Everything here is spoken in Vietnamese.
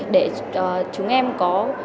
để chúng em có